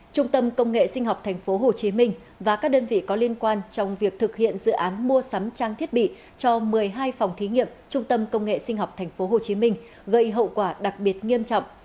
trung tâm công nghệ sinh học tp hcm và các đơn vị có liên quan trong việc thực hiện dự án mua sắm trang thiết bị cho một mươi hai phòng thí nghiệm trung tâm công nghệ sinh học tp hcm gây hậu quả đặc biệt nghiêm trọng